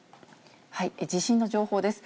地震の情報です。